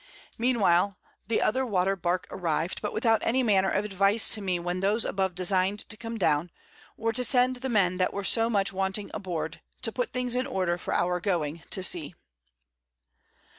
Mean while the other Water Bark arriv'd, but without any manner of Advice to me when those above design'd to come down, or to send the Men that were so much wanting aboard, to put things in order for our going to Sea.